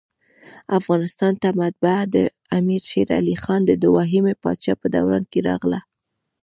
افغانستان ته مطبعه دامیر شېرعلي خان د دوهمي پاچاهۍ په دوران کي راغله.